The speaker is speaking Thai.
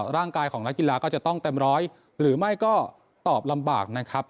ร่างกายของนักกีฬาก็จะต้องเต็มร้อยหรือไม่ก็ตอบลำบากนะครับ